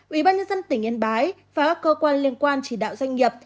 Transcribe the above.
ubnd tỉnh yên bái và các cơ quan liên quan chỉ đạo doanh nghiệp